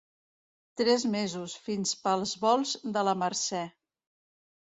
Tres mesos, fins pels volts de la Mercè.